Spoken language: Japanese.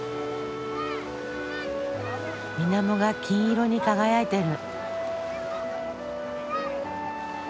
水面が金色に輝いてる。